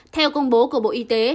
theo công bố của bộ y tế